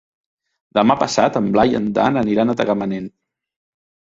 Demà passat en Blai i en Dan aniran a Tagamanent.